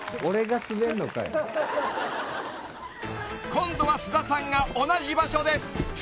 ［今度は菅田さんが同じ場所でつるり］